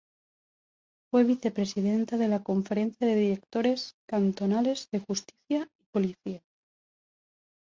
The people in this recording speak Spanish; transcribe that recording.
Fue vicepresidenta de la Conferencia de Directores Cantonales de Justicia y Policía.